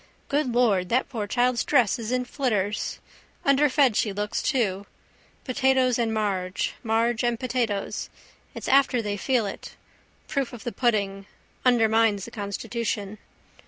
Good Lord, that poor child's dress is in flitters. Underfed she looks too. Potatoes and marge, marge and potatoes. It's after they feel it. Proof of the pudding. Undermines the constitution.